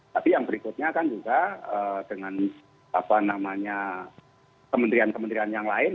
tapi yang berikutnya kan juga dengan kementerian kementerian yang lain